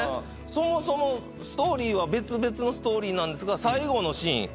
そもそもストーリーは別々のストーリーなんですが最後のシーン